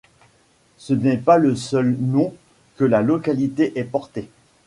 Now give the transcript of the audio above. Ce n'est pas le seul nom que la localité ait porté.